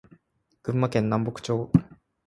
群馬県南牧村